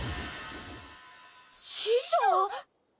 師匠！